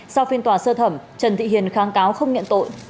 sau phiên tòa sơ thẩm trần thị hiền kháng cáo không nhận tội